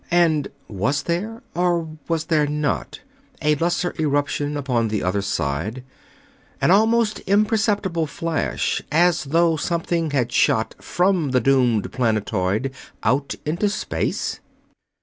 And was there, or was there not, a lesser eruption upon the other side an almost imperceptible flash, as though something had shot from the doomed planetoid out into space?